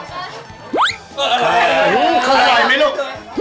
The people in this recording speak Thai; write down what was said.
อร่อยเคยใช่นะครับกันอ่ะอร่อยไหมลูก